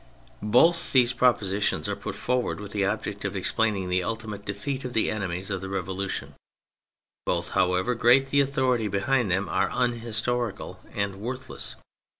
Both these propositions are put forward with the object of explaining the ultimate defeat of the enemies of the Revolution : both, however great the authority behind them, are unhistorical and worthless.